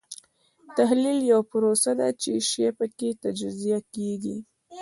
تحلیل یوه پروسه ده چې شی پکې تجزیه کیږي.